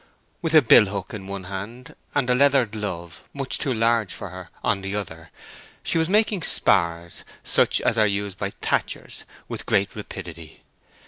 With a bill hook in one hand and a leather glove, much too large for her, on the other, she was making spars, such as are used by thatchers, with great rapidity.